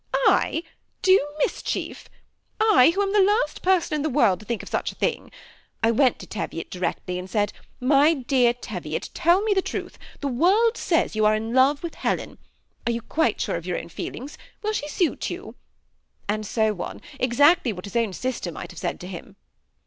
I do mischief! I ! who am the last per son in the world to think of such a thing. I went to Teviot directly, and said^ ' My dear Teviot, tell me the truth. The world says you are in love with Helen. Are you quite sure of your own feelings ? Will she suit you ?' and so on, exactly what his own sister might have said to him.